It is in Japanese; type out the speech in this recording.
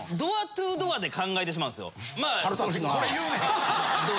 これ言うねん。